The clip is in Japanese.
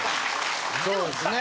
そうですね。